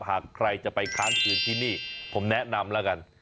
หากใครจะไปค้างคืนที่นี่ผมแนะนำแล้วกัน